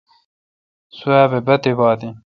سوبھ باتیبات این۔